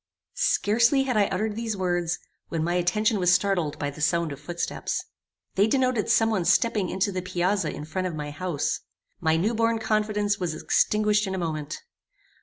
Scarcely had I uttered these words, when my attention was startled by the sound of footsteps. They denoted some one stepping into the piazza in front of my house. My new born confidence was extinguished in a moment.